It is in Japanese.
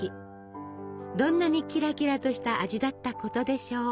どんなにキラキラとした味だったことでしょう！